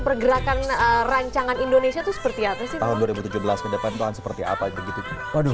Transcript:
pergerakan rancangan indonesia itu seperti apa sih tahun dua ribu tujuh belas ke depan tuhan seperti apa begitu waduh